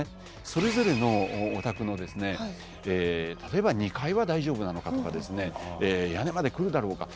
それぞれのお宅の例えば２階は大丈夫なのかとか屋根まで来るだろうか